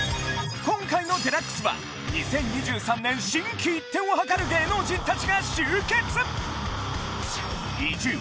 今回の『ＤＸ』は２０２３年心機一転をはかる芸能人達が集結！